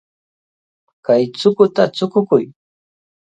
Kay chukuta chukukuy.